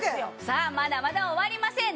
さあまだまだ終わりません。